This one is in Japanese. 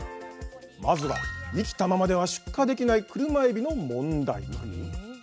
まずは生きたままでは出荷できないクルマエビの問題。